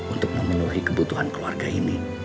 untuk memenuhi kebutuhan keluarga ini